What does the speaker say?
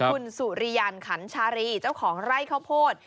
คุณสุริยันขันชารีเจ้าของไร่ข้าวโพด